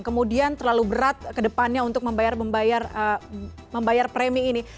kemudian terlalu berat ke depannya untuk membayar premi ini